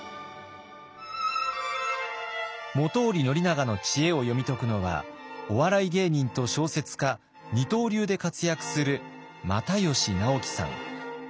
本居宣長の知恵を読み解くのはお笑い芸人と小説家二刀流で活躍する又吉直樹さん。